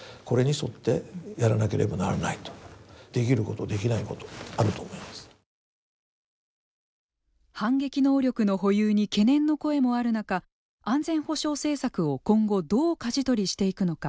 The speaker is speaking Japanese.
当然わが国の要するに、いろいろな反撃能力の保有に懸念の声もある中安全保障政策を、今後どうかじ取りしていくのか。